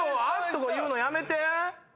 「あっ！」とか言うのやめて。